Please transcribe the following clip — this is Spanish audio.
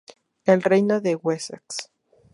En el Reino de Wessex.